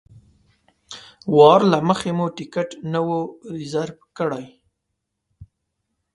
وار له مخه مو ټکټ نه و ریزرف کړی.